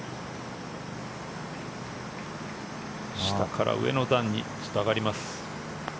下から上の段にちょっと上がります。